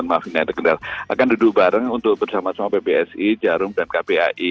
akan duduk bareng untuk bersama sama pbsi jarum dan kpi